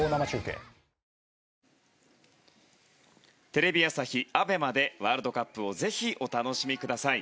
テレビ朝日ＡＢＥＭＡでワールドカップをぜひお楽しみください。